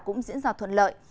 cũng diễn ra thuận lợi